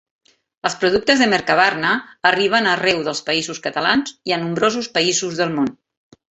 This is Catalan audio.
Els productes de Mercabarna arriben arreu dels Països Catalans i a nombrosos països del món.